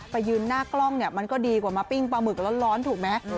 ไปยืนหน้ากล้องเนี่ยมันก็ดีกว่ามาปิ้งปลาหมึกร้อนถูกไหม